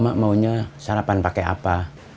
mak maunya sarapan pakai apa